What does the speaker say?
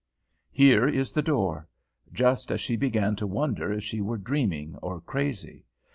Here is the door; just as she began to wonder if she were dreaming or crazy.